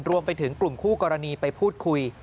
รวมไปถึงกลุ่มคู่กรณีไปพูดคุย